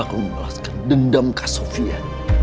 aku membalaskan dendam kak sofia